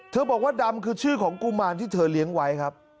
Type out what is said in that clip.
บอกว่าดำคือชื่อของกุมารที่เธอเลี้ยงไว้ครับ